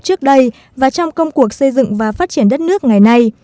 trước đây và trong công cuộc xây dựng và phát triển đất nước ngày nay